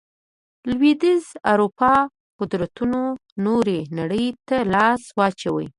لوېدیځې اروپا قدرتونو نورې نړۍ ته لاس واچوي.